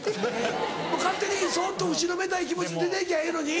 勝手にそっと後ろめたい気持ちで出て行きゃええのに。